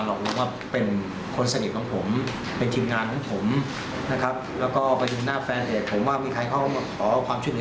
หรือแสดงการลึกหลังความลับกับความตอบตัด